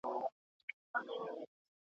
نه تر څوکو سوای د ونو الوتلای,